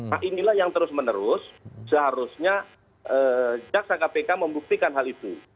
nah inilah yang terus menerus seharusnya jaksa kpk membuktikan hal itu